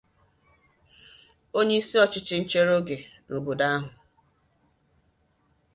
onyeisi ọchịchị nchere oge n'obodo ahụ